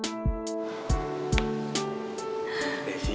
makasih ya sayang